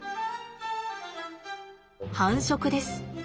繁殖です。